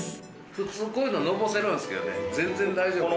普通こういうののぼせるんすけどね全然大丈夫ですね。